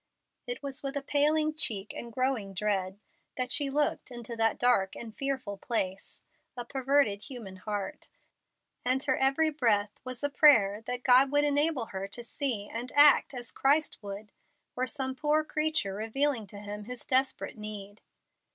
It was with a paling cheek and growing dread that she looked into that dark and fearful place, a perverted human heart, and her every breath was a prayer that God would enable her to see and act as Christ would were some poor creature revealing to Him his desperate need.